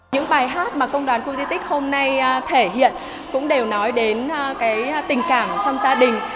những bài hát mà công đoàn khu di tích hôm nay thể hiện cũng đều nói đến tình cảm trong gia đình